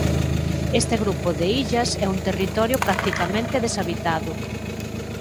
Este grupo de illas é un territorio practicamente deshabitado.